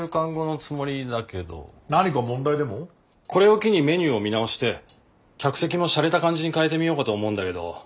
これを機にメニューを見直して客席もしゃれた感じに変えてみようかと思うんだけど。